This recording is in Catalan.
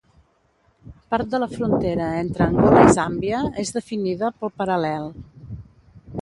Part de la frontera entre Angola i Zàmbia és definida pel paral·lel.